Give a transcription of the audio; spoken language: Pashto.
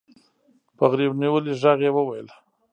په غريو نيولي ږغ يې وويل.